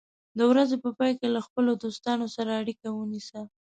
د ورځې په پای کې له خپلو دوستانو سره اړیکه ونیسه.